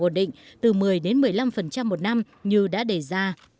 ổn định từ một mươi đến một mươi năm một năm như đã đề ra